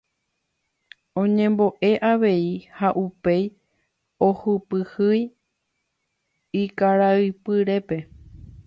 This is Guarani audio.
Oñembo'e avei ha upéi ohypýi ykaraipyrépe.